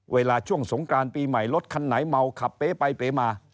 เวลาช่วงสงกรานปีใหม่รถคันไหนเมาขับเป๊ไปเป๊มา